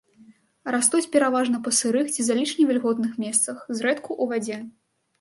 Растуць пераважна па сырых ці залішне вільготных месцах, зрэдку ў вадзе.